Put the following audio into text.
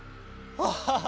アハハ！